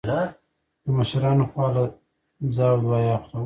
د مشرانو خوا له ځه او دعا يې اخله